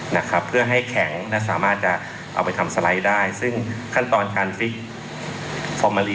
นะครับเพื่อให้แข็งและสามารถจะเอาไปทำได้ซึ่งขั้นตอนการ